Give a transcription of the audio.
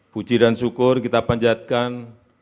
puji dan syukur kita panjatkan